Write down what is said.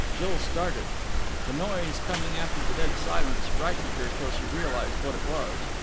Jill started. The noise, coming after the dead silence, frightened her till she realized what it was.